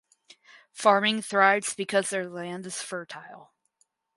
Farming thrives because their land is fertile.